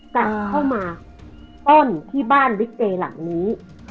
กลับเข้ามาป้นที่บ้านลิเกย์หลังนี้